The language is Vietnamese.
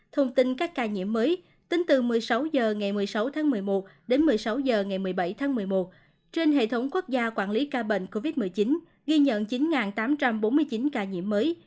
thông tin các ca nhiễm mới tính từ một mươi sáu h ngày một mươi sáu tháng một mươi một đến một mươi sáu h ngày một mươi bảy tháng một mươi một trên hệ thống quốc gia quản lý ca bệnh covid một mươi chín ghi nhận chín tám trăm bốn mươi chín ca nhiễm mới